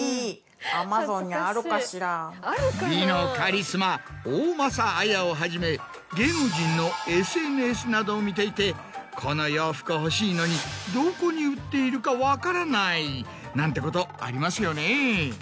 美のカリスマ大政絢をはじめ芸能人のＳＮＳなどを見ていてこの洋服欲しいのに。なんてことありますよね。